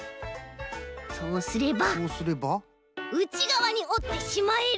そうすればうちがわにおってしまえる！